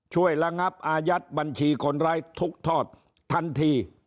ช่วยระงับอายัดบัญชีคนไรทุกทอดทันที